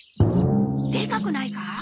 でかくないか？